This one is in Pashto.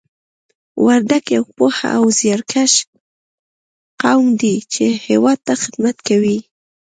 وردګ یو پوه او زیارکښ قوم دی چې هېواد ته خدمت کوي